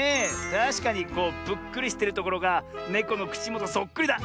たしかにこうぷっくりしてるところがネコのくちもとそっくりだ。